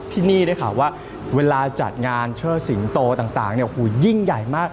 ที่นี่ได้ข่าวว่าเวลาจัดงานเชิดสิงโตต่างยิ่งใหญ่มาก